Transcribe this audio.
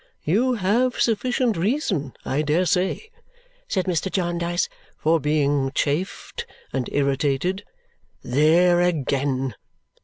"You have sufficient reason, I dare say," said Mr. Jarndyce, "for being chafed and irritated " "There again!"